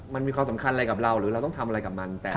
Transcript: มันมีความสำคัญอะไรกับเราหรือเราต้องทำอะไรกับมัน